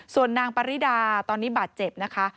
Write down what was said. ส่วนนางปริดาตอนนี้บาดเจ็บนะคะ